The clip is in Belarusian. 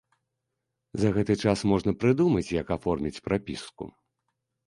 За гэты час можна прыдумаць, як аформіць прапіску.